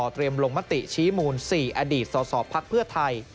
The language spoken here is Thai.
ลงมติชี้มูล๔อดีตสสพักเพื่อไทย